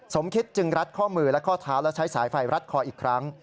สมคิดจึงรัดข้อมือและข้อเท้าและใช้สายไฟรัดคออีกครั้ง